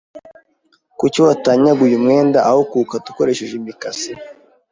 Kuki watanyaguye umwenda aho kuwukata ukoresheje imikasi?